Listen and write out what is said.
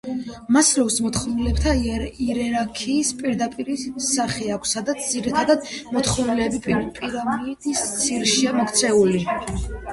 მასლოუს მოთხოვნილებათა იერარქიას პირამიდის სახე აქვს, სადაც ძირითადი მოთხოვნილებები პირამიდის ძირშია მოქცეული.